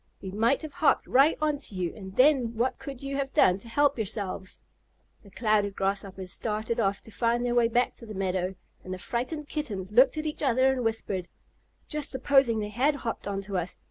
We might have hopped right on to you, and then what could you have done to help yourselves?" The Clouded Grasshoppers started off to find their way back to the meadow, and the frightened Kittens looked at each other and whispered: "Just supposing they had hopped on to us!